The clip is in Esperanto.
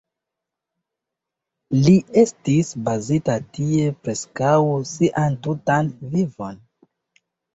Li estis bazita tie preskaŭ sian tutan vivon.